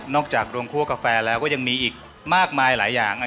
จากรวมคั่วกาแฟแล้วก็ยังมีอีกมากมายหลายอย่าง